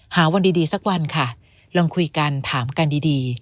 วันดีสักวันค่ะลองคุยกันถามกันดี